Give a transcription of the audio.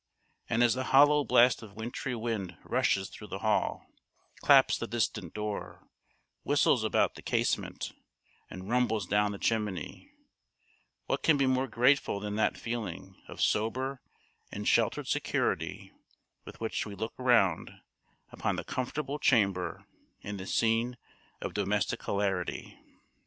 and as the hollow blast of wintry wind rushes through the hall, claps the distant door, whistles about the casement, and rumbles down the chimney, what can be more grateful than that feeling of sober and sheltered security with which we look round upon the comfortable chamber and the scene of domestic hilarity?